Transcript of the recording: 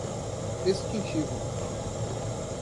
extintivo